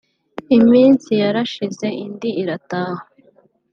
Iminsi yarashize indi irataha